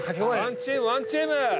ワンチームワンチーム！